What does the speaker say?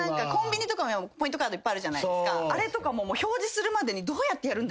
あれとかも表示するまでにどうやってやるんだっけ。